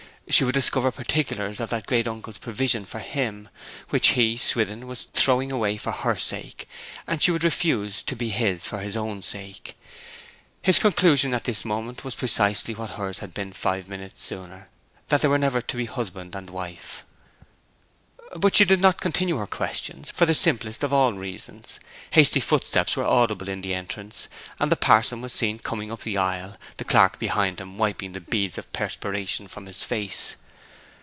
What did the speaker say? She would discover particulars of that great uncle's provision for him, which he, Swithin, was throwing away for her sake, and she would refuse to be his for his own sake. His conclusion at this moment was precisely what hers had been five minutes sooner: they were never to be husband and wife. But she did not continue her questions, for the simplest of all reasons: hasty footsteps were audible in the entrance, and the parson was seen coming up the aisle, the clerk behind him wiping the beads of perspiration from his face.